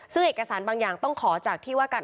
ซึ่งเอกสารบางอย่างต้องขอจากที่ว่าการ